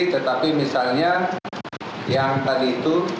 tetapi misalnya yang tadi itu